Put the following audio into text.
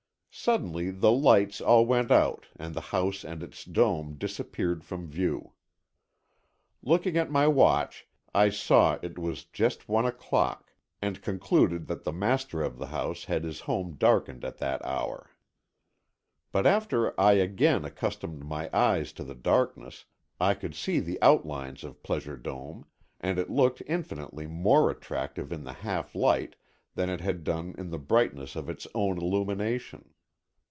Suddenly the lights all went out and the house and its dome disappeared from view. Looking at my watch I saw it was just one o'clock and concluded that the master of the house had his home darkened at that hour. But after I again accustomed my eyes to the darkness I could see the outlines of Pleasure Dome, and it looked infinitely more attractive in the half light than it had done in the brightness of its own illumination.